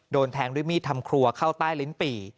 โดนแทงด้วยมีดทำครัวเข้าใต้ลิ้นปี่